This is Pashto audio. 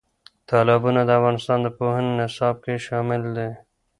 تالابونه د افغانستان د پوهنې نصاب کې شامل دي.